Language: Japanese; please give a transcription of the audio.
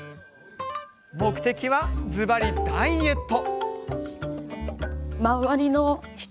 目的は、ずばりダイエット。